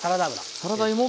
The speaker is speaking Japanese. サラダ油。